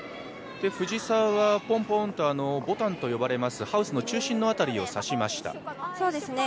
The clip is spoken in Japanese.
藤澤はポンポンと、ボタンと呼ばれるハウスの中心辺りを指しました。